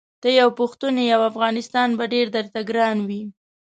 ته یو پښتون یې او افغانستان به ډېر درته ګران وي.